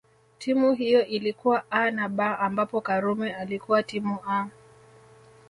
Timu hiyo ilikuwa A na B ambapo Karume alikuwa timu A